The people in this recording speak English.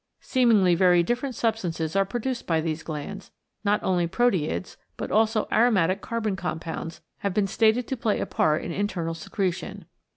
Seemingly very different substances are produced by these glands, not only proteids, but also aromatic carbon compounds have been stated to play a part in internal secre tion.